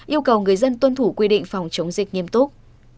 yêu cầu người dân tuân thủ quy định phòng chống dịch nghiêm túc